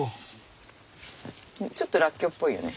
ちょっとらっきょうっぽいよね